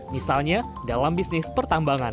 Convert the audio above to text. misalnya dalam bisnis pertambangan